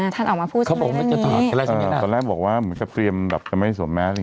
ท่านออกมาพูดครับผมจะต่อตอนแรกบอกว่าเหมือนจะเตรียมแบบจะไม่สมแม้อะไรอย่างนี้